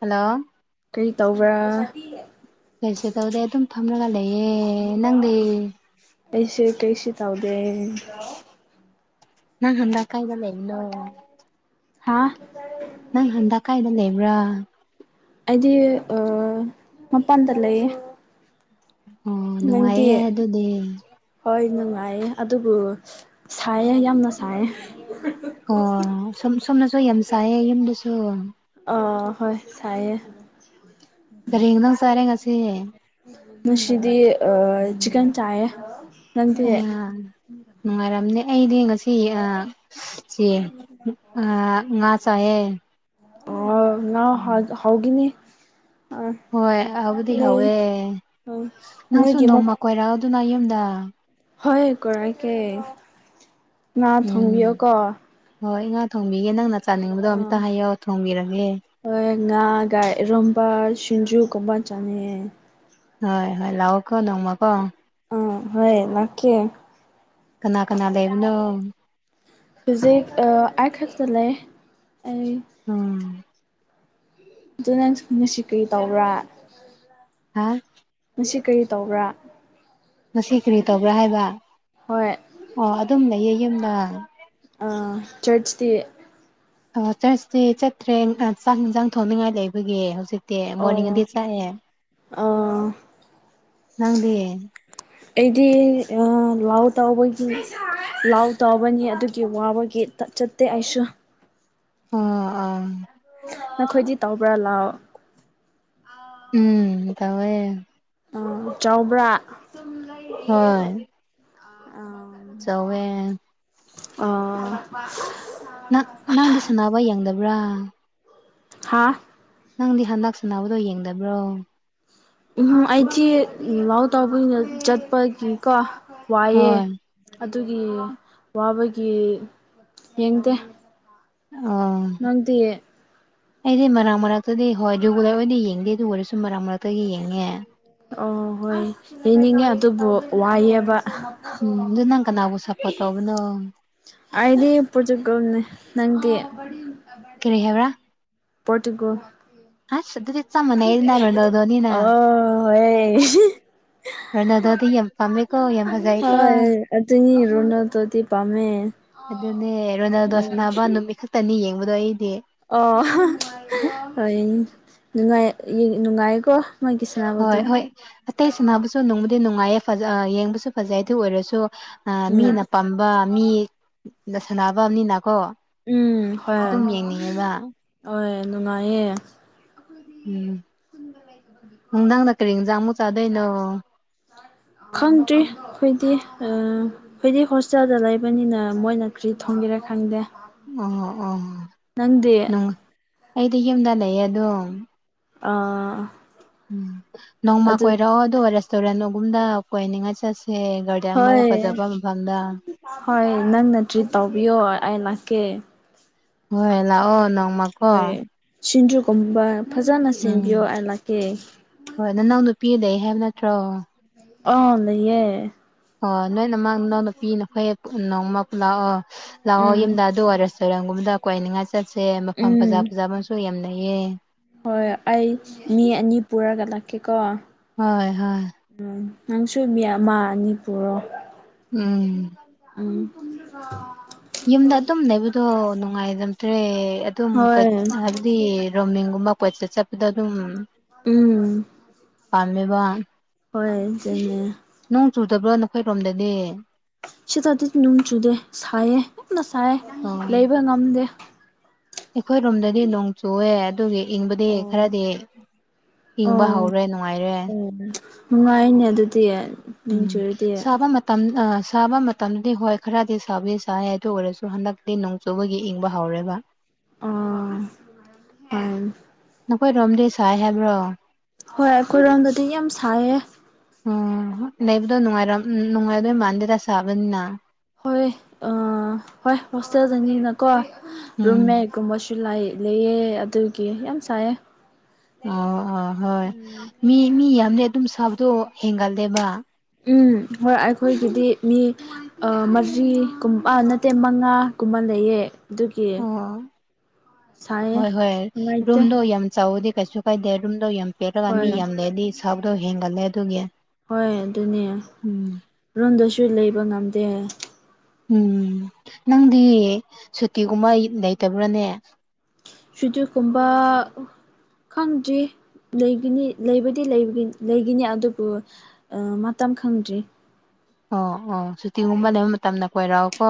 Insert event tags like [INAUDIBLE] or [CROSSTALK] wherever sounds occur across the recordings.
hello ꯀꯔꯤ ꯇꯧꯕ꯭ꯔꯥ ꯀꯩꯁꯨꯇꯧꯗꯦ ꯑꯗꯨꯝ ꯐꯝꯂꯒ ꯂꯩꯌꯦ ꯑꯦ ꯅꯪꯗꯤ ꯑꯩꯁꯦ ꯀꯩꯁꯨ ꯇꯥꯎꯗꯦ ꯅꯪ ꯍꯟꯗꯛ ꯀꯥꯏꯗ ꯂꯩ ꯅꯣ ꯍꯥ ꯅꯪ ꯍꯟꯗꯛ ꯀꯥꯏꯗ ꯂꯩꯕ꯭ꯔꯥ ꯑꯩꯗꯤ ꯑ ꯃꯄꯥꯟꯗ ꯂꯩꯌꯦ ꯑꯣ ꯅꯪꯗꯤ ꯅꯨꯡꯉꯥꯏꯌꯦ ꯑꯗꯨꯗꯤ ꯍꯣꯏ ꯅꯨꯡꯉꯥꯏꯌꯦ ꯑꯗꯨꯕꯨ ꯁꯥꯏꯌꯦ ꯌꯥꯝꯅ ꯁꯥꯏꯌꯦ ꯑꯣ ꯁꯨꯝ ꯁꯣꯝꯅꯁꯨ ꯌꯥꯝ ꯁꯥꯏꯌꯦ ꯌꯨꯝꯗꯁꯨ ꯑ ꯍꯣꯏ ꯁꯥꯏꯌꯦ ꯀꯔꯤ ꯏꯟꯖꯥꯡ ꯆꯥꯔꯦ ꯉꯁꯤ ꯉꯁꯤꯗꯤ ꯑ ꯆꯤꯀꯟ ꯆꯥꯏꯌꯦ ꯅꯪꯗꯤ ꯑꯌꯥ ꯅꯨꯡꯉꯥꯏꯔꯝꯅꯤ ꯑꯩꯗꯤ ꯉꯁꯤ ꯌꯥ ꯆꯦꯡ ꯑ ꯉꯥ ꯆꯥꯏꯌꯦ ꯑ ꯉꯥ ꯍꯥꯠ ꯍꯥꯎꯒꯤꯅꯤ ꯑꯥ ꯍꯣꯏ ꯑꯍꯥꯎꯕꯨꯗꯤ ꯅꯣꯏ ꯍꯥꯎꯋꯦ ꯑꯥ ꯅꯪꯁꯨ ꯅꯣꯏꯒꯤ ꯃ ꯅꯣꯡꯃ ꯀꯣꯏꯔꯛ ꯎꯗꯨꯅ ꯌꯨꯝꯗ ꯍꯣꯏ ꯀꯣꯔꯥꯛꯀꯦ ꯎꯝ ꯍꯣꯏ ꯉꯥ ꯊꯣꯡꯕꯤꯒꯦ ꯅꯪꯅ ꯆꯥꯅꯤꯡꯕꯗꯣ ꯑꯥ ꯑꯝꯇ ꯍꯥꯏꯌꯣ ꯊꯣꯡꯕꯤꯔꯒꯦ ꯍꯣꯏ ꯉꯥꯥꯒ ꯏꯔꯣꯝꯕ ꯁꯤꯡꯖꯨ ꯀꯨꯝꯕ ꯆꯥꯅꯤꯡꯉꯦ ꯍꯣꯏ ꯍꯣꯏ ꯂꯥꯛꯑꯣꯀꯣ ꯅꯣꯡꯃꯀꯣ ꯑ ꯍꯣꯏ ꯂꯥꯛꯀꯦ ꯀꯅꯥ ꯀꯅꯥ ꯂꯩꯕꯅꯣ ꯍꯨꯖꯤꯛ ꯑ ꯑꯩ ꯈꯛꯇꯥ ꯂꯩ ꯑꯩ ꯎꯝ ꯑꯗꯨ ꯅꯪ ꯉꯁꯤ ꯀꯔꯤ ꯇꯧꯕ꯭ꯔꯥ ꯍꯥꯥ ꯉꯁꯤ ꯀꯔꯤ ꯇꯧꯕ꯭ꯔꯥ ꯉꯁꯤ ꯀꯔꯤ ꯇꯧꯕ꯭ꯔꯥ ꯍꯥꯏꯕ ꯍꯣꯏ ꯑ ꯑꯗꯨꯝ ꯂꯩꯌꯦ ꯌꯨꯝꯗ ꯑꯥ ꯆꯔꯆꯇꯤ ꯑꯥ ꯆꯔꯆꯇꯤ ꯆꯠꯇ꯭ꯔꯦ ꯆꯥꯛ ꯏꯟꯖꯥꯡ ꯊꯣꯡꯅꯤꯡꯉꯥꯏ ꯂꯩꯕꯒꯤ ꯍꯧꯖꯤꯛ ꯇꯦ ꯃꯣꯔꯅꯤꯡꯗꯤ ꯑꯣ ꯆꯠꯂꯦ ꯅꯪꯗꯤ ꯑꯩꯗꯤ ꯑ ꯂꯥꯏ ꯇꯧꯕꯒꯤ ꯂꯥꯏ ꯇꯧ ꯃꯅꯤ ꯑꯗꯨꯒꯤ ꯋꯥꯕꯒꯤ ꯑꯃꯇ ꯆꯠꯇꯦ ꯑꯩꯁꯨ ꯑꯥ ꯑꯥ ꯅꯈꯣꯏꯗꯤ ꯇꯧꯕ꯭ꯔꯥ ꯂꯥꯎ ꯎꯝ ꯇꯧꯋꯦ ꯑ ꯆꯥꯎꯕ꯭ꯔꯥ ꯑꯥ ꯆꯧꯋꯦ ꯅꯪ ꯅꯪꯗꯤ ꯁꯅꯥꯅꯕ ꯌꯦꯡꯗꯕ꯭ꯔꯥ ꯍꯥꯥ ꯅꯪꯗꯤ ꯍꯟꯗꯛ ꯁꯅꯕꯗꯣ ꯌꯦꯡꯗꯕ꯭ꯔꯣ ꯎꯝ ꯑꯩꯗꯤ ꯂꯥꯎ ꯇꯥꯎꯕꯅꯤꯅ ꯆꯠꯄꯒꯤꯀꯣ ꯋꯥꯏꯌꯦ ꯍꯣꯏ ꯑꯗꯨꯒꯤ ꯋꯥꯕꯒꯤ ꯌꯦꯡꯗꯦ ꯑꯣ ꯅꯪꯗꯤ ꯑꯩꯗꯤ ꯃꯔꯥꯛ ꯃꯔꯥꯛꯇꯗꯤ ꯍꯣꯏ ꯔꯤꯒꯨꯂꯔ ꯑꯣꯏꯅ ꯌꯦꯡꯗꯦ ꯑꯗꯨ ꯑꯣꯏꯔꯁꯨ ꯃꯔꯛ ꯃꯔꯛꯇꯒꯤ ꯌꯦꯡꯉꯦ ꯑꯣ ꯍꯣꯏ ꯌꯦꯡꯅꯤꯡꯉꯦ ꯑꯗꯨꯕꯨ ꯋꯥꯏꯌꯦꯕ ꯎꯝ ꯑꯗꯨ ꯅꯪ ꯀꯅꯥꯕꯨ ꯁꯞꯄꯣꯠ ꯇꯧꯕꯅꯣ ꯑꯩꯗꯤ ꯄꯣꯔꯇꯨꯒꯜꯅꯦ ꯅꯪꯗꯤ ꯀꯔꯤ ꯍꯥꯏꯕ꯭ꯔꯥ ꯄꯣꯔꯇꯨꯒꯜ ꯑꯁ ꯑꯗꯨꯗꯤ ꯆꯞ ꯃꯥꯟꯅꯩ ꯅ ꯔꯣꯅꯥꯜꯗꯣꯅꯤꯅꯥ ꯑꯣ ꯍꯣꯏ ꯑꯩꯁ ꯔꯣꯅꯥꯜꯗꯣꯗꯤ ꯌꯥꯝ ꯄꯥꯝꯃꯦꯀꯣ ꯌꯥꯝ ꯐꯖꯩꯀꯣ ꯍꯣꯏ ꯑꯗꯨꯅꯤ ꯔꯣꯅꯥꯜꯗꯣꯗꯤ ꯄꯥꯝꯃꯦ ꯑꯗꯨꯅꯦ ꯔꯣꯅꯥꯜꯗꯣ ꯎꯝ ꯁꯥꯟꯅꯕ ꯅꯨꯃꯤꯠ ꯈꯠꯇꯅꯤ ꯌꯦꯡꯕꯗꯣ ꯑꯩꯗꯤ ꯑꯣ ꯍ ꯍꯣꯏ ꯅꯨꯡꯉꯥꯏ ꯌꯦꯡ ꯅꯨꯡꯉꯥꯏꯀꯣ ꯃꯥꯒꯤ ꯍꯣꯏ ꯁꯥꯟꯅꯕꯗꯣ ꯍꯣꯏ ꯑꯇꯩ ꯁꯥꯟꯅꯕꯁꯨ ꯅꯨꯡꯕꯨꯗꯤ ꯅꯨꯡꯉꯥꯏꯌꯦ ꯐꯖꯥ ꯑ ꯌꯦꯡꯕꯁꯨ ꯐꯖꯩ ꯑꯗꯨ ꯑꯣꯏꯔꯁꯨ ꯑ ꯎꯝ ꯃꯤꯅ ꯄꯥꯝꯕ ꯃꯤ ꯅ ꯁꯥꯟꯅꯕꯅꯤꯅꯥꯀꯣ ꯗꯨꯝ ꯌꯦꯡꯅꯤꯡꯉꯦꯕ ꯑꯣꯏ ꯅꯨꯡꯉꯥꯏꯌꯦ ꯎꯝ ꯅꯨꯡꯗꯥꯡꯗ ꯀꯔꯤ ꯏꯟꯖꯥꯡ ꯃꯨꯛ ꯆꯥꯗꯣꯏꯅꯣ ꯈꯪꯗ꯭ꯔꯤ ꯈꯣꯏꯗꯤ ꯑ ꯈꯣꯏꯗꯤ ꯍꯣꯁꯇꯦꯜꯗ ꯂꯩꯕꯅꯤꯅ ꯃꯣꯏꯅ ꯀ꯭ꯔꯤ ꯊꯣꯡꯒꯦꯔꯥ ꯈꯪꯗꯦ ꯑꯣ ꯑꯣ ꯅꯪꯗꯤ ꯅꯨꯡ ꯑꯩꯗꯤ ꯌꯨꯝꯗ ꯂꯩꯌꯦ ꯑꯗꯨꯝ ꯑꯥ ꯎꯝ ꯅꯣꯡꯃ ꯑꯗꯨ ꯀꯣꯏꯔꯛꯑꯣ ꯑꯗꯨꯒ ꯔꯦꯁꯇꯨꯔꯦꯟꯗꯒꯨꯝꯗ ꯀꯣꯏꯅꯤꯡꯉꯥꯏ ꯆꯠꯁꯦ ꯒꯥ ꯗꯦꯝꯃꯧ ꯍꯣꯏ ꯐꯖꯕ ꯃꯐꯝꯗ ꯍꯣꯏ ꯅꯪꯅ ꯇ꯭ꯔꯤꯠ ꯇꯧꯕꯤꯌꯣ ꯑꯩ ꯂꯥꯛꯀꯦ ꯍꯣꯏ ꯂꯥꯛꯑꯣ ꯅꯣꯡꯃꯥ ꯍꯣꯏꯌꯦ ꯁꯤꯡꯖꯨꯒꯨꯝꯕ ꯐꯖꯅ ꯎꯝ ꯁꯦꯝꯕꯤꯌꯣ ꯑꯩ ꯂꯥꯛꯀꯦ ꯍꯣꯏ ꯅꯅꯥꯎ ꯅꯨꯄꯤ ꯂꯩ ꯍꯥꯏꯕ ꯅꯠꯇ꯭ꯔꯣ ꯑꯧ ꯂꯩꯌꯦ ꯑꯣ ꯅꯣꯏ ꯅꯃꯥꯡꯅꯥꯎꯅꯨꯄꯤ ꯅꯈꯣꯏ ꯅꯣꯡꯃ ꯂꯥꯛꯑꯣ ꯂꯥꯛꯑꯣ ꯎꯝ ꯌꯨꯝꯗ ꯑꯗꯨ ꯑꯣꯏꯔꯁ [UNINTELLIGIBLE] ꯒꯨꯝꯕꯗ ꯀ꯭ꯣꯏꯅꯤꯡꯉꯥꯏ ꯆꯠꯁꯦ ꯃꯐꯝ ꯎꯝ ꯐꯖ ꯐꯖꯥꯕꯁꯨ ꯌꯥꯝ ꯂꯩꯩꯌꯦ ꯍꯣꯏ ꯑꯩ ꯃꯤ ꯑꯅꯤ ꯄꯨꯔꯒ ꯂꯥꯛꯀꯦꯀꯣ ꯍꯣꯏ ꯍꯣꯏ ꯎꯝ ꯅꯪꯁꯨ ꯃꯤ ꯑꯃꯥ ꯑꯅꯤ ꯄꯨꯔꯣ ꯎꯝ ꯎꯝ [UNINTELLIGIBLE] ꯌꯨꯝꯗ ꯑꯗꯨꯝ ꯂꯩꯕꯗꯣ ꯅꯨꯡꯉꯥꯏꯔꯝꯗ꯭ꯔꯦ ꯑꯗꯨꯝ ꯍꯣꯏ [UNINTELLIGIBLE] ꯗꯤ ꯔꯣꯝꯃꯤꯡꯒꯨꯝꯕ ꯀꯣꯏꯆꯠ ꯆꯠꯄꯗꯣ ꯑꯗꯨꯝ ꯎꯝ ꯄꯥꯝꯃꯦꯕ ꯍꯣꯏ ꯆꯦꯅꯦ ꯅꯣꯡ ꯆꯨꯗꯕ꯭ꯔꯣ ꯅꯈꯣꯏꯔꯣꯝꯗꯗꯤ ꯁꯤꯗꯗꯤ ꯅꯨꯡ ꯆꯨꯗꯦ ꯁꯥꯏꯌꯦ ꯌꯥꯝꯅ ꯁꯥꯏ ꯂꯩꯕ ꯉꯝꯗꯦ ꯑꯩꯈꯣꯏ ꯔꯣꯝꯗꯗꯤ ꯅꯣꯡ ꯆꯨꯋꯦ ꯑꯗꯨꯒꯤ ꯏꯪꯕꯗꯤ ꯑꯣ ꯈꯔꯗꯤ ꯏꯪꯕ ꯑꯣ ꯍꯧꯔꯦ ꯅꯨꯡꯉꯥꯏꯔꯦ [UNINTELLIGIBLE] ꯅꯨꯡꯉꯥꯏꯅꯦ ꯑꯗꯨꯗꯤ ꯅꯣꯡ ꯎꯝ ꯆꯨꯔꯗꯤ ꯁꯥꯕ ꯃꯠ ꯇꯝ ꯑꯥ ꯁꯥꯕ ꯃꯇꯝꯗꯤ ꯍꯣꯏ ꯈꯔꯗꯤ ꯁꯥꯕꯤ ꯁꯥꯏ ꯑꯗꯨ ꯑꯣꯏꯔꯁꯨ ꯍꯟꯗꯛꯇꯤ ꯅꯣꯡ ꯆꯨꯕꯒꯤ ꯏꯪꯕ ꯍꯧꯔꯦꯕ ꯑꯣ ꯑꯝ ꯅꯈꯣꯏꯔꯣꯝꯗꯤ ꯁꯥꯏ ꯍꯥꯏꯕ꯭ꯔꯣ ꯍꯣꯏ ꯑꯩꯈꯣꯏꯔꯣꯝꯗꯗꯤ ꯌꯥꯝ ꯁꯥꯏꯌꯦ ꯎꯝ ꯂꯩꯕꯗꯣ ꯅꯨꯡꯉꯥꯏꯔꯝ ꯅꯨꯡꯉꯥꯏꯗꯣꯏ ꯃꯥꯟꯗꯦꯗ ꯁꯥꯕꯅꯤꯅ ꯍꯣꯏ ꯑ ꯍꯣꯏ ꯍꯣꯁꯇꯦꯜꯗꯅꯤꯅꯀꯣ ꯔꯨꯝ ꯎꯝ ꯃꯦꯠꯀꯨꯝꯕꯁꯨ ꯂꯩ ꯂꯩꯌꯦ ꯑꯗꯨꯒꯤ ꯌꯥꯝ ꯁꯥꯏꯌꯦ ꯑ ꯑ ꯍꯣꯏ ꯎꯝ ꯃꯤ ꯃꯤ ꯌꯥꯝꯃꯗꯤ ꯑꯗꯨꯝ ꯁꯥꯕꯗꯣ ꯍꯦꯟꯒꯠꯂꯦꯕ ꯎꯝ ꯍꯣꯏ ꯑꯩꯈꯣꯏꯒꯤꯗꯤ ꯃꯤ ꯑ ꯃꯔꯤꯒꯨꯝ ꯅꯠꯇꯦ ꯃꯉꯥꯒꯨꯝꯕ ꯂꯩꯌꯦ ꯑꯗꯨꯒꯤ ꯑꯣ ꯁꯥꯏꯌꯦ ꯍꯣꯏ ꯍꯣꯏ ꯅꯨꯡꯉꯥꯏꯇꯦ ꯔꯨꯝꯗꯣ ꯌꯥꯝ ꯆꯥꯎꯋꯗꯤ ꯀꯩꯁꯨ ꯀꯥꯏꯗꯦ ꯔꯨꯝꯗꯣ ꯌꯥꯝ [UNINTELLIGIBLE] ꯃꯤ ꯍꯣꯏ ꯌꯥꯝ ꯂꯩꯔꯗꯤ ꯁꯥꯕꯗꯣ ꯍꯦꯟꯒꯠꯂꯦ ꯑꯗꯨꯒꯤ ꯍꯣꯏ ꯑꯗꯨꯅꯦ ꯎꯝ ꯔꯨꯝꯗꯁꯨ ꯂꯩꯕ ꯉꯝꯗꯦ ꯎꯝ ꯅꯪꯗꯤ ꯁꯨꯇꯤꯒꯨꯝꯕ ꯌꯨꯝ ꯂꯩꯇꯕ꯭ꯔꯥꯅꯦ ꯁꯨꯇꯤ ꯀꯨꯝꯕ ꯈꯪꯗ꯭ꯔꯤ ꯂꯩꯒꯤꯅꯤ ꯂꯩꯕꯗꯤ ꯂꯩꯒꯤꯟ ꯂꯩꯒꯤꯅꯤ ꯑꯗꯨꯕꯨ ꯑ ꯃꯇꯝ ꯈꯪꯗ꯭ꯔꯤ ꯑꯣ ꯑꯣ ꯁꯨꯇꯤꯒꯨꯝꯕ ꯂꯩꯕ ꯃꯇꯝꯗ ꯀꯣꯏꯔꯛꯑꯣꯀꯣ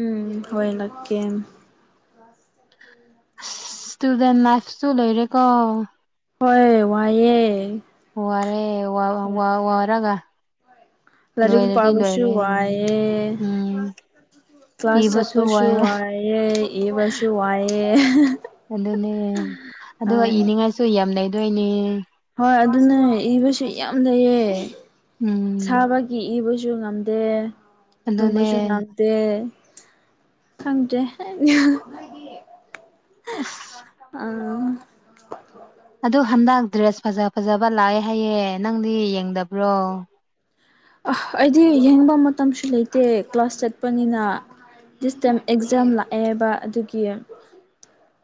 ꯎꯝ ꯍꯣꯏ ꯂꯛꯀꯦ ꯏꯁꯇꯨꯗꯦꯟ ꯂꯥꯏꯐꯁꯨ ꯂꯣꯏꯔꯦꯀꯣ ꯍꯣꯏ ꯋꯥꯏꯌꯦ ꯋꯥꯔꯦ ꯋꯥ ꯋꯥ ꯋꯥꯔꯒ ꯂꯥꯏꯔꯤꯛ ꯂꯣꯏꯔꯗꯤ ꯄꯥꯕꯁꯨ ꯂꯣꯏꯔꯦ ꯋꯥꯏꯌꯦ ꯎꯝ ꯀ꯭ꯂꯥꯁ ꯆꯠꯄꯁꯨ ꯋꯥꯏ ꯂꯩꯌꯦ ꯏꯕꯁꯨ ꯋꯥꯏꯌꯦ ꯑꯗꯨꯅꯦ ꯑꯗꯨꯒ ꯍꯣꯏ ꯏꯅꯤꯡꯉꯥꯏꯁꯨ ꯌꯥꯝ ꯂꯩꯗꯣꯏꯅꯦ ꯍꯣꯏ ꯑꯗꯨꯅꯦ ꯏꯕꯁꯨ ꯌꯥꯝ ꯂꯩꯌꯦ ꯎꯝ ꯁꯥꯕꯒꯤ ꯏꯕꯁꯨ ꯉꯝꯗꯦ ꯑꯗꯨꯅꯦ ꯇꯨꯝꯕꯁꯨ ꯉꯝ ꯇꯦ ꯈꯪꯗꯦ ꯑꯁ ꯑꯥ ꯑꯗꯣ ꯍꯟꯗꯛ ꯗ꯭ꯔꯦꯁ ꯐꯖ ꯐꯖꯕ ꯂꯥꯛꯑꯦ ꯍꯥꯏꯌꯦ ꯅꯪꯗꯤ ꯌꯦꯡꯗꯕ꯭ꯔꯣ ꯑ ꯑꯩꯗꯤ ꯌꯦꯡꯕ ꯃꯇꯝꯁꯨ ꯂꯩꯇꯦ ꯀ꯭ꯂꯥꯁ ꯆꯠꯄꯅꯤꯅ ꯗꯤꯁ ꯇꯥꯏꯝ ꯑꯦꯛꯖꯥꯝ ꯂꯥꯛꯑꯦꯕ ꯑꯗꯨꯒꯤ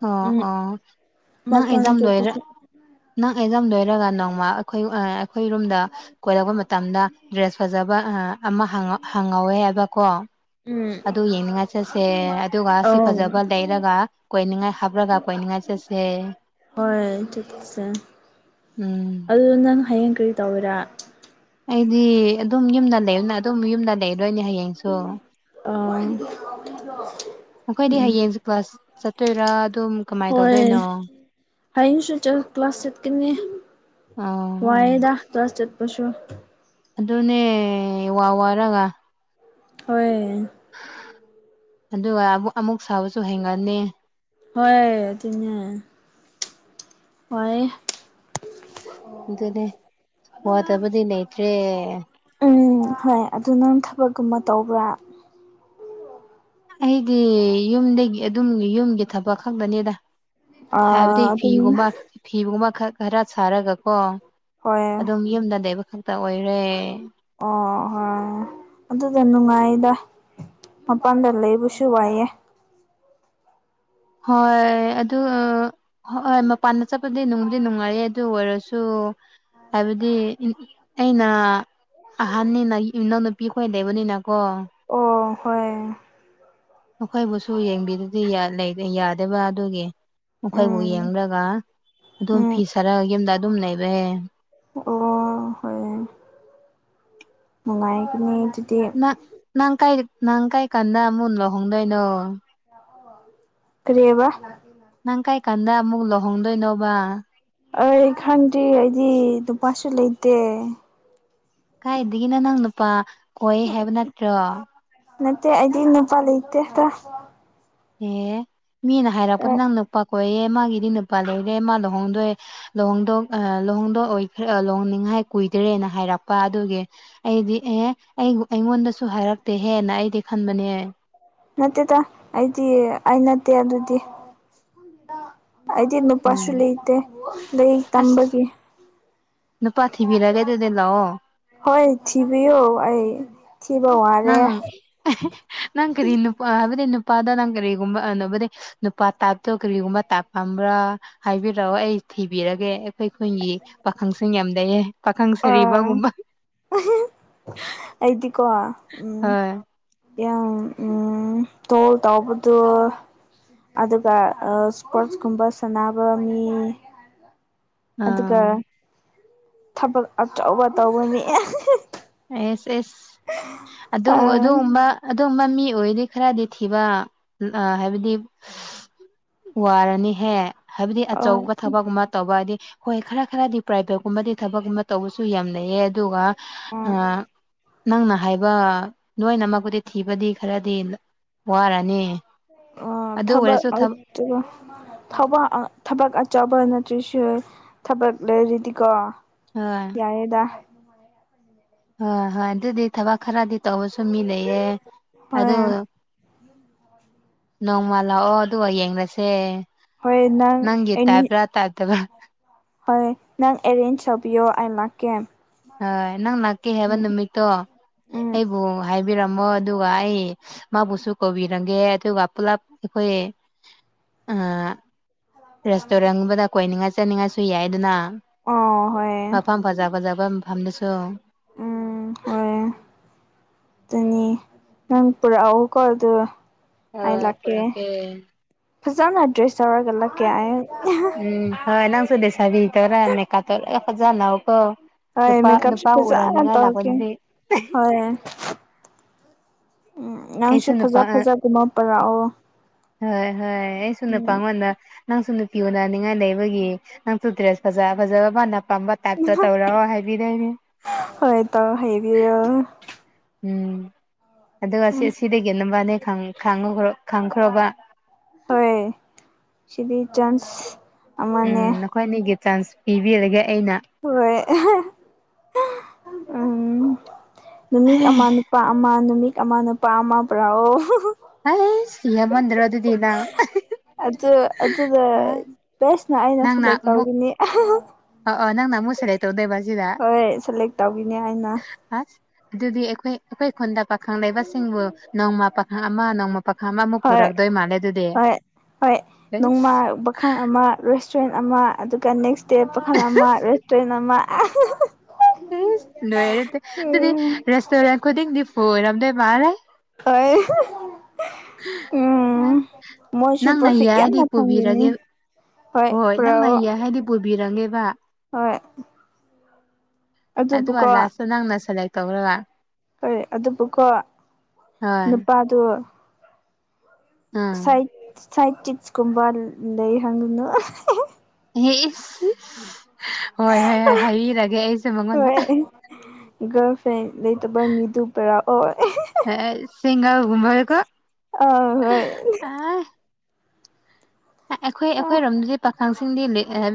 ꯑꯣ ꯎꯝ ꯑꯣ ꯅꯪ ꯃꯄꯥꯟ ꯑꯦꯛꯖꯝ ꯂꯣꯏꯔ ꯆꯠꯄꯁꯨ ꯅꯪ ꯑꯦꯖꯥꯝ ꯂꯣꯏꯔꯒ ꯅꯣꯡꯃ ꯑꯩꯈꯣꯏ ꯑ ꯑꯩꯈꯣꯏ ꯔꯣꯝꯗ ꯀꯣꯏꯔꯛꯄ ꯃꯇꯝꯗ ꯗ꯭ꯔꯦꯁ ꯐꯖꯕ ꯑ ꯑꯃ ꯍꯥꯡꯍꯧ ꯍꯥꯡꯉꯧꯋꯦꯕꯀꯣ ꯎꯝ ꯑꯗꯨ ꯌꯦꯡꯅꯤꯡꯉꯥꯏ ꯆꯠꯁꯦ ꯑꯗꯨꯒ ꯁꯤ ꯑꯧ ꯐꯖꯕ ꯂꯩꯔꯒ ꯀꯣꯏ ꯅꯤꯡꯉꯥꯏ ꯍꯥꯞꯔꯒ ꯀꯣꯏꯅꯤꯡꯉꯥꯏ ꯆꯠꯁꯦ ꯍꯣꯏ ꯎꯝ ꯗꯨ ꯅꯪ ꯍꯌꯦꯡ ꯀꯔꯤ ꯇꯧꯋꯤꯔꯥ ꯑꯩꯗꯤ ꯑꯗꯨꯝ ꯌꯨꯝꯗ ꯂꯩꯕꯅ ꯑꯗꯨꯝ ꯌꯨꯝꯗ ꯂꯩꯗꯣꯏꯅꯦ ꯍꯌꯦꯡꯁꯨ ꯑꯥ ꯃꯈꯣꯏꯗꯤ ꯍꯌꯦꯡꯁꯦ ꯀ꯭ꯂꯥꯁ ꯆꯠꯇꯣꯏꯔꯥ ꯑꯗꯨꯝ ꯀꯃꯥꯏ ꯍꯣꯏ ꯇꯧꯗꯣꯏꯅꯣ ꯍꯌꯦꯡꯁꯨ ꯆꯜ ꯀ꯭ꯂꯥꯁ ꯆꯠꯀꯅꯤ ꯑꯣ ꯑꯣ ꯋꯥꯏꯋꯦꯗꯥ ꯀ꯭ꯂꯥꯁ ꯆꯠꯄꯁꯨ ꯑꯗꯨꯅꯦ ꯋꯥ ꯋꯥꯔꯒ ꯍꯣꯏ ꯑꯗꯨꯒ ꯑꯃꯨ ꯑꯃꯨꯛ ꯁꯥꯎꯕꯁꯨ ꯍꯦꯟꯒꯠꯅꯤ ꯍꯣꯏ ꯑꯗꯨꯅꯦ ꯋꯥꯌꯦ ꯑꯗꯨꯅꯦ ꯋꯥꯗꯕꯗꯤ ꯂꯩꯇ꯭ꯔꯦ ꯎꯝ ꯍꯣꯏ ꯑꯗꯨ ꯅꯪ ꯊꯕꯛꯀꯨꯝꯕ ꯇꯧꯕ꯭ꯔꯥ ꯑꯩꯒꯤ ꯌꯨꯝꯗꯒꯤ ꯑꯗꯨꯝ ꯌꯨꯝꯒꯤ ꯊꯕꯛ ꯈꯛꯇꯅꯤꯗ ꯍꯥꯏꯕꯗꯤ ꯑꯥ ꯑꯗꯨꯝ ꯐꯤꯒꯨꯝꯕ ꯐꯤꯒꯨꯝꯕ ꯈꯛ ꯈꯔ ꯁꯥꯔꯒꯀꯣ ꯍꯣꯏ ꯑꯗꯨꯝ ꯌꯨꯝꯗ ꯂꯩꯕ ꯈꯛꯇ ꯑꯣꯏꯔꯦ ꯑꯣ ꯍꯣꯏ ꯑꯗꯨꯗ ꯅꯨꯡꯉꯥꯏꯗ ꯃꯄꯝꯗ ꯂꯩꯕꯁꯨ ꯋꯥꯏꯌꯦ ꯍꯣꯏ ꯑꯗꯨ ꯍꯣ ꯑꯣ ꯃꯄꯥꯟꯗ ꯆꯠꯄꯗꯤ ꯅꯨꯡꯕꯨꯗꯤ ꯅꯨꯡꯉꯥꯏꯌꯦ ꯑꯗꯨ ꯑꯣꯏꯔꯁꯨ ꯍꯥꯏꯕꯗꯤ ꯑꯩꯅ ꯑꯍꯟꯅꯤꯅ ꯏꯅꯥꯎ ꯅꯨꯄꯤ ꯈꯣꯏ ꯂꯩꯕꯅꯤꯅ ꯀꯣ ꯑꯣ ꯍꯣꯏ ꯃꯈꯣꯏꯕꯨꯁꯨ ꯌꯦꯡꯕꯤꯗꯗꯤ ꯌꯥ ꯂꯩꯗꯦ ꯌꯥꯗꯕ ꯑꯗꯨꯒꯤ ꯃꯈꯣꯏꯕꯨ ꯎꯝ ꯌꯦꯡꯔꯒ ꯑꯗꯨꯝ ꯐꯤ ꯎꯝ ꯁꯥꯔꯒ ꯌꯨꯝꯗ ꯑꯗꯨꯝ ꯂꯩꯕꯌꯦ ꯑꯣ ꯍꯣꯏ ꯅꯨꯡꯉꯥꯏꯒꯅꯤ ꯗꯨꯗꯤ ꯅꯪ ꯀꯥꯏ ꯅꯪ ꯀꯥꯏꯀꯥꯟꯗ ꯑꯃꯨ ꯂꯨꯍꯣꯡꯗꯣꯏꯅꯣ ꯀꯔꯤꯕ ꯅꯪ ꯀꯥꯏ ꯀꯥꯟꯗ ꯑꯃꯨ ꯂꯨꯍꯣꯡꯗꯣꯏꯅꯣꯕ ꯑꯩ ꯈꯪꯗ꯭ꯔꯤ ꯑꯩꯗꯤ ꯅꯨꯄꯥꯁꯨ ꯂꯩꯇꯦ ꯀꯥꯏꯗꯒꯤꯅꯣ ꯅꯪ ꯅꯨꯄꯥ ꯀꯣꯏ ꯍꯥꯏꯕ ꯅꯠꯇ꯭ꯔꯣ ꯅꯠꯇꯦ ꯑꯩꯗꯤ ꯅꯨꯄꯥ ꯂꯩꯇꯦꯗ ꯑꯦ ꯃꯤꯅ ꯍꯥꯏꯔꯛꯄꯗ ꯅꯪ ꯅꯨꯄꯥ ꯀꯣꯏꯌꯦ ꯃꯥꯒꯤꯗꯤ ꯅꯨꯄꯥ ꯂꯩꯔꯦ ꯃꯥ ꯂꯨꯍꯣꯡꯗꯣꯑꯦ ꯂꯨꯍꯣꯡꯗꯣꯛ ꯂꯨꯍꯣꯡꯗꯣꯛꯑꯣꯏ ꯂꯨꯍꯣꯡꯅꯤꯡꯉꯥꯏ ꯀꯨꯏꯗ꯭ꯔꯦꯅ ꯍꯥꯏꯔꯛꯄ ꯑꯗꯨꯒꯤ ꯑꯩꯗꯤ ꯑꯦ ꯑꯩ ꯑꯩꯉꯣꯟꯗꯁꯨ ꯍꯥꯏꯔꯛꯇꯦꯍꯦꯅ ꯑꯩꯗꯤ ꯈꯟꯕꯅꯦ ꯅꯠꯇꯦꯗ ꯑꯩꯗꯤ ꯑꯩ ꯅꯠꯇꯦ ꯑꯗꯨꯗꯤ ꯑꯩꯗꯤ ꯅꯨꯄꯥꯁꯨ ꯎꯝ ꯂꯩꯇꯦ ꯂꯥꯏꯔꯤꯛ ꯑꯁ ꯇꯝꯕꯒꯤ ꯅꯨꯄꯥ ꯊꯤꯕꯤꯔꯒꯦ ꯑꯗꯨꯗꯤ ꯂꯥꯛꯑꯣ ꯍꯣꯏ ꯊꯤꯕꯤꯌꯣ ꯑꯩ ꯊꯤꯕ ꯋꯥ ꯅꯪ ꯅꯪ ꯀꯔꯤ ꯅꯨꯄꯥ ꯍꯥꯏꯕꯗꯤ ꯅꯨꯄꯥꯗ ꯅꯪ ꯀꯔꯤꯒꯨꯝꯕ [UNINTELLIGIBLE] ꯅꯨꯄꯥ ꯇꯥꯏꯞꯇꯣ ꯀꯔꯤꯒꯨꯝꯕ ꯇꯥꯏꯞꯒꯨꯝꯕ꯭ꯔꯥ ꯍꯥꯏꯕꯤꯔꯛꯑꯣ ꯑꯩ ꯊꯤꯕꯤꯔꯒꯦ ꯑꯩꯈꯣꯏ ꯈꯨꯟꯒꯤ ꯄꯥꯈꯪꯁꯤꯡ ꯌꯥꯝ ꯂꯩꯩꯌꯦ ꯄꯥꯈꯪ ꯁꯔꯤꯕꯒꯨꯝꯕ ꯑꯩꯗꯤ ꯀꯣ ꯎꯝ ꯍꯣꯏ ꯎꯝ ꯇꯣꯜ ꯇꯧꯕꯗꯣ ꯑꯗꯨꯒ ꯁ꯭ꯄꯣꯔ꯭ꯠ ꯒꯨꯝꯕ ꯁꯥꯟꯅꯕ ꯃꯤ [INAUDIBLE] ꯑꯥ ꯑꯗꯨꯒ ꯊꯕꯛ ꯑꯆꯧꯕ ꯇꯧꯕ ꯃꯤ ꯑꯦꯁ ꯑꯦꯁ ꯑꯗꯨ ꯑꯗꯨꯒꯨꯝꯕ ꯑꯗꯨꯝꯕ ꯃꯤ ꯑꯣꯏꯔꯗꯤ ꯈꯔꯗꯤ ꯊꯤꯕ ꯍꯥꯏꯕꯗꯤ ꯋꯥꯔꯅꯤꯍꯦ ꯍꯥꯏꯕꯗꯤ ꯑꯆꯧꯕ ꯊꯕꯛꯒꯨꯝꯕ ꯇꯧꯕꯗꯤ ꯍꯣꯏ ꯈꯔ ꯈꯔꯗꯤ ꯄ꯭ꯔꯥꯏꯕꯦꯠ ꯒꯨꯝꯕꯗꯤ ꯊꯕꯛ ꯑꯃ ꯇꯧꯕꯁꯨ ꯌꯥꯝ ꯂꯩꯩꯌꯦ ꯑꯗꯨꯒ ꯑꯥ ꯅꯪꯅ ꯍꯥꯏꯕ ꯅꯣꯏꯅꯃꯛꯄꯨꯗꯤ ꯊꯤꯕꯗꯤ ꯈꯔꯗꯤ ꯋꯥꯔꯅꯤ ꯑꯣ ꯑꯗꯨ ꯊꯕꯛ ꯑꯣꯏꯔꯁꯨ [UNINTELLIGIBLE] ꯊꯕꯛ ꯊꯕꯛ ꯑꯆꯧꯕ ꯅꯠꯇ꯭ꯔꯁꯨ ꯊꯕꯛ ꯂꯩꯔꯗꯤꯀꯣ ꯍꯣꯏ ꯌꯥꯏꯗ ꯍꯣꯏ ꯍꯣꯏ ꯑꯗꯨꯗꯤ ꯊꯕꯛ ꯈꯔꯗꯤ ꯇꯧꯕꯁꯨ ꯃꯤ ꯂꯩꯌꯦ ꯑꯗꯨ ꯍꯣꯏ ꯅꯣꯡꯃ ꯂꯥꯛꯑꯣ ꯑꯗꯨꯒ ꯌꯦꯡꯉꯁꯦ ꯍꯣꯏ ꯅꯪ ꯅꯪꯒꯤ ꯑꯦꯅꯤ ꯇꯥꯏꯞꯔ ꯇꯥꯏꯞꯇꯕ ꯍꯣꯏ ꯅꯪ ꯑꯦꯔꯦꯟꯖ ꯇꯧꯕꯤꯌꯣ ꯑꯩ ꯂꯥꯛꯀꯦ ꯍꯣꯏ ꯅꯪ ꯂꯥꯛꯀꯦ ꯍꯥꯏꯕ ꯎꯝ ꯅꯨꯃꯤꯠꯇꯣ ꯎꯝ ꯑꯩꯕꯨ ꯍꯥꯏꯕꯤꯔꯛ ꯃꯣ ꯑꯗꯨꯒ ꯑꯩ ꯃꯥꯕꯨꯁꯨ ꯀꯧꯕꯤꯔꯝꯒꯦ ꯑꯗꯨꯒ ꯄꯨꯂꯞ ꯑꯈꯣꯏ ꯑꯥ ꯔꯦꯁ꯭ꯇꯣꯔꯦꯟ꯭ꯠ ꯒꯨꯝꯕꯗ ꯀꯣꯏꯅꯤꯡꯉꯥꯢ ꯆꯠꯅꯤꯡꯉꯥꯢꯁꯨ ꯌꯥꯏꯗꯅ ꯑꯣ ꯍꯣꯏ ꯃꯐꯝ ꯐꯖ ꯐꯖꯕ ꯐꯝꯗꯁꯨ ꯎꯝ ꯍꯣꯏ ꯑꯗꯨꯅꯤ ꯅꯪ ꯄꯨꯔꯛꯑꯣꯀꯣ ꯑꯗꯨ ꯍꯣꯢ ꯄꯨꯔꯛꯒꯦ ꯐꯖꯥꯅ ꯗ꯭ꯔꯦꯁ ꯇꯧꯔꯒ ꯂꯥꯛꯒꯦ ꯑꯩꯩ ꯎꯝ ꯍꯣꯏ ꯅꯪꯁꯨ ꯂꯩꯁꯥꯕꯤ ꯇꯧꯔꯒ ꯃꯦꯀꯥꯞ ꯇꯣ ꯐꯖꯅꯕ ꯒꯣ ꯍꯣꯏ ꯅꯨꯄꯥ ꯃꯦꯀꯞꯁꯨ ꯅꯨꯄꯥ ꯎꯔꯥꯅꯤꯡꯉꯥꯏ ꯂꯥꯛꯄꯗꯤ ꯍꯣꯢꯌꯦ ꯅꯪꯁꯨ ꯑꯩꯁꯨ ꯅꯨꯄꯥ ꯐꯖ ꯐꯖꯕ ꯄꯨꯔꯛꯑꯣ ꯍꯣꯏ ꯍꯣꯏ ꯑꯩꯁꯨ ꯅꯨꯄꯥ ꯎꯝ ꯉꯣꯟꯗ ꯅꯪꯁꯨ ꯅꯨꯄꯤ ꯎꯅꯅꯤꯡꯉꯥꯏ ꯂꯩꯕꯒꯤ ꯅꯪꯁꯨ ꯗ꯭ꯔꯦꯁ ꯐꯖ ꯐꯖꯕ ꯃꯅꯥ ꯄꯥꯝꯕ ꯇꯥꯢꯞꯇ ꯇꯧꯔꯛꯑꯣ ꯍꯥꯏꯕꯤꯗꯨꯢꯅꯦ ꯍꯣꯏ ꯇꯧ ꯍꯥꯏꯕꯤꯌꯣ ꯎꯝ ꯑꯗꯨꯒ ꯑꯁꯤ ꯎꯝ ꯑꯁꯤꯗꯒꯤ ꯅꯝꯕꯅꯤ ꯈꯪ ꯈꯪꯉꯣ ꯈꯪꯈ꯭ꯔꯣꯕ ꯍꯣꯏ ꯁꯤꯗꯤ ꯆꯥꯟꯁ ꯎꯝ ꯑꯃꯅꯦ ꯅꯈꯣꯏꯅꯤꯒꯤ ꯆꯥꯟꯁ ꯄꯤꯕꯤꯔꯒꯦ ꯑꯩꯅ ꯍꯣꯏ ꯎꯝ ꯅꯨꯃꯤꯠ ꯑꯃ ꯅꯨꯄꯥ ꯑꯃ ꯅꯨꯃꯤꯠ ꯑꯃ ꯅꯨꯄꯥ ꯑꯃ ꯄꯨꯔꯥꯑꯣ ꯍꯩꯁ ꯂꯦꯃꯟꯗ꯭ꯔꯥ ꯑꯗꯨꯗꯤ ꯅꯪ ꯑꯗꯨ ꯑꯗꯨꯗ ꯕꯦꯁꯅ ꯑꯩꯅ ꯅꯪꯅ ꯁꯂꯦꯛ ꯑꯃꯨꯛ ꯇꯧꯒꯅꯤ ꯑ ꯑ ꯅꯪꯅ ꯑꯃꯨꯛ ꯁꯦꯂꯦꯛ ꯇꯧꯗꯣꯏꯕ ꯁꯤꯗ ꯍꯣꯏ ꯁꯦꯂꯦꯛ ꯇꯧꯒꯤꯅꯤ ꯑꯩꯅ ꯑꯁ ꯑꯗꯨꯗꯤ ꯑꯩꯈꯣꯏ ꯑꯩꯈꯣꯏ ꯈꯨꯟꯗ ꯄꯥ ꯈꯪꯩ ꯂꯩꯕꯁꯤꯡꯕꯨ ꯅꯣꯡꯃ ꯄꯥꯈꯪ ꯑꯃ ꯅꯣꯡꯃ ꯄꯥꯈꯪ ꯑꯃꯃꯨꯛ ꯍꯣꯏ ꯄꯨꯔꯛꯗꯣꯏ ꯃꯥꯜꯂꯦ ꯑꯗꯨꯗꯤ ꯍꯣꯏ ꯍꯣꯏ ꯅꯣꯡꯃ ꯑꯦꯁ ꯄꯥꯥꯈꯪ ꯑꯃ ꯔꯦꯁꯇꯨꯔꯦꯟ ꯑꯃ ꯑꯗꯨꯒ ꯅꯦꯛꯁ ꯗꯦ ꯄꯥꯈꯪ ꯑꯃ ꯔꯦꯁꯇꯨꯔꯦꯟ ꯑꯃ ꯏꯁ ꯂꯣꯏꯔꯦꯇꯦ ꯑꯗꯨꯗꯤ ꯎꯝ ꯔꯦꯁꯇꯨꯔꯦꯟ ꯈꯨꯗꯤꯡꯗꯤ ꯐꯨ ꯑꯣꯏꯔꯝꯗꯣꯏ ꯃꯥꯜꯂꯦ ꯍꯣꯏ ꯎꯝ ꯃꯣꯏꯁꯨ ꯅꯪꯅ ꯄ꯭ꯔꯣꯐꯤꯛ ꯌꯥꯏꯗꯤ ꯌꯥꯝꯅ ꯐꯪꯒꯤꯅꯤ ꯄꯨꯕꯤꯔꯒꯦ ꯍꯣꯏ ꯅꯪꯅ ꯌꯥꯏ ꯍꯥꯏꯗꯤ ꯄꯨꯕꯤꯔꯅꯦꯕ ꯍꯣꯏ ꯑꯗꯨꯒ ꯑꯗꯨꯕꯨꯀꯣ ꯂꯥꯁꯇ ꯅꯪꯅ ꯁꯦꯂꯦꯛ ꯇꯧꯔꯒ ꯀꯔꯤ ꯑꯗꯨꯕꯨꯀꯣ ꯍꯣꯏ ꯅꯨꯄꯥꯗꯣ ꯎꯝ ꯁꯥꯏꯠ ꯁꯥꯏꯠ ꯆꯤꯛꯁꯀꯨꯝꯕ ꯂꯩꯍꯪꯒꯅꯨ ꯑꯦ ꯏꯁ ꯍꯣꯏ ꯍꯣꯏ ꯍꯣꯏ ꯍꯥꯏꯕꯤꯔꯒꯦ ꯑꯩꯁꯨ ꯃꯉꯣꯟꯗ ꯍꯣꯏ ꯒꯔꯜ ꯐ꯭ꯔꯦꯟ ꯂꯩꯇꯕ ꯃꯤꯗꯨ ꯄꯔꯥꯑꯣ ꯑꯦ [UNINTELLIGIBLE] ꯑ ꯍꯣꯏ ꯑꯦ ꯑꯩꯈꯣꯏ ꯑꯩꯈꯣꯏꯔꯣꯝꯗꯨꯗꯤ ꯄꯥꯈꯪꯁꯤꯡꯗꯤ ꯂꯦꯛ